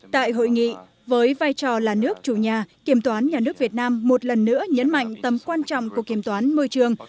tại hội nghị với vai trò là nước chủ nhà kiểm toán nhà nước việt nam một lần nữa nhấn mạnh tầm quan trọng của kiểm toán môi trường